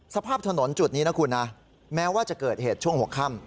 สภาพถนนจุดนี้นะคุณนะแม้ว่าจะเกิดเหตุช่วงหัวค่ำ